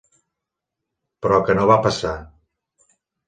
Però que no va passar.